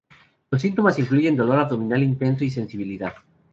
Los síntomas incluyen dolor abdominal intenso y sensibilidad.